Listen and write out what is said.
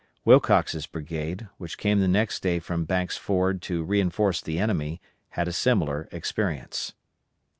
Wilcox's brigade, which came the next day from Banks' Ford to reinforce the enemy, had a similar experience.